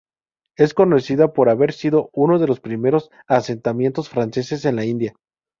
Es conocida por haber sido uno de los primeros asentamientos franceses en la India.